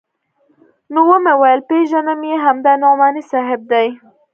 نو ومې ويل پېژنم يې همدا نعماني صاحب دى.